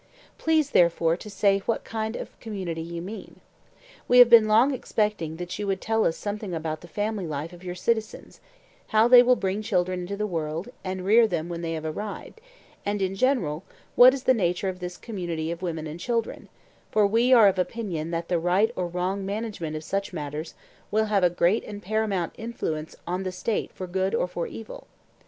Please, therefore, to say what sort of community you mean. We have been long expecting that you would tell us something about the family life of your citizens—how they will bring children into the world, and rear them when they have arrived, and, in general, what is the nature of this community of women and children—for we are of opinion that the right or wrong management of such matters will have a great and paramount influence on the State for good or for evil.